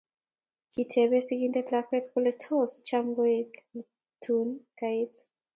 Kiteebe sigindet lakwet kole tos cham koek ne tun kaet